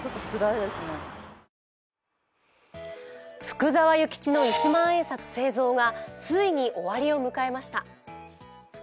福沢諭吉の一万円札製造がついに終わりを迎えました。